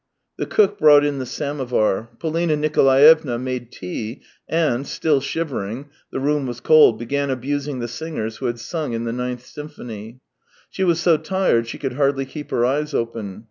The cook brought in the samovar. Polina Nikolaevna made tea. and, still shivering — the room was cold — began abusing the singers who had sung in the ninth symphony. She was so tired she could hardly keep her eyes open.